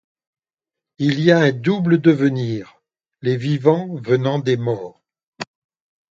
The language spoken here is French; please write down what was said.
Il y a un double devenir, les vivants venant des morts.